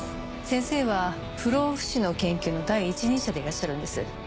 先生は不老不死の研究の第一人者でいらっしゃるんです。